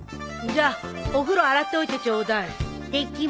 じゃあお風呂洗っておいてちょうだい。